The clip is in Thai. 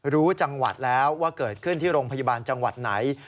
รู้จังหวัดแล้วว่าเกิดขึ้นที่โรงพยาบาลจังหวัดไหน